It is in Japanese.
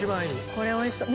これ美味しそう。